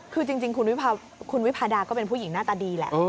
คือจริงคุณวิพาดาก็เป็นผู้หญิงหน้าตาดีแหละ